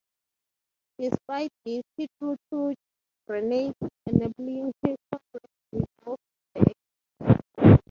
Despite this he threw two grenades enabling his comrades to withdraw from the action.